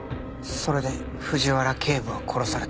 それで藤原警部は殺された？